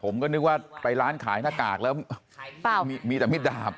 ผมก็นึกว่าไปร้านขายหน้ากากแล้วมีแต่มิดดาบ